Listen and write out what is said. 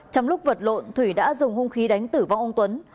trong lúc vật lộn thủy đã dùng hung khí đánh tử vong ông tuấn